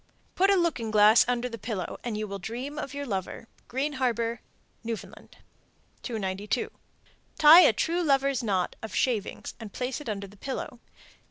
Put a looking glass under the pillow, and you will dream of your lover. Green Harbor, N.F. 292. Tie a true lover's knot (of shavings) and place it under the pillow.